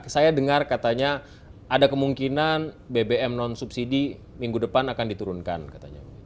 saya dengar katanya ada kemungkinan bbm non subsidi minggu depan akan diturunkan katanya